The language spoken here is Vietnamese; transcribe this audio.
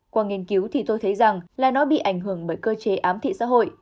qua nghiên cứu thì tôi thấy rằng là nó bị ảnh hưởng bởi cơ chế ám thị xã hội